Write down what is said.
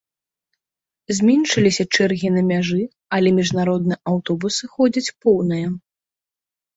Зменшыліся чэргі на мяжы, але міжнародныя аўтобусы ходзяць поўныя.